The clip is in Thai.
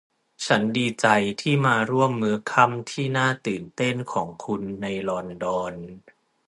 ฉันดีใจที่มาร่วมมื้อค่ำที่น่าตื่นเต้นของคุณในลอนดอน